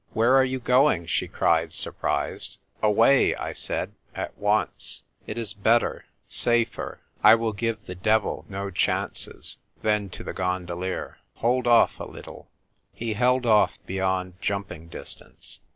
"Where are you going?" she cried, sur prised. "Away," I said, "at once. It is better — safer! 1 will give the devil no chances." Then to the gondolier, " Hold off a little !" He held off beyond jumping distance.